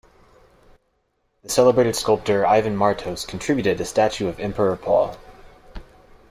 The celebrated sculptor Ivan Martos contributed a statue of Emperor Paul.